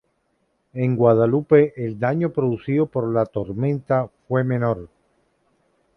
En Guadalupe el daño producido por la tormenta fue menor.